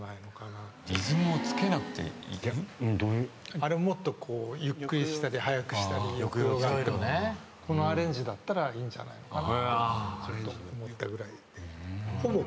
あれをもっとゆっくりしたり速くしたり抑揚があってもこのアレンジだったらいいんじゃないのかなってちょっと思ったぐらいで。